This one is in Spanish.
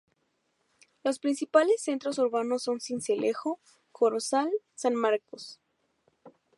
Los principales centros urbanos son Sincelejo, Corozal, San Marcos.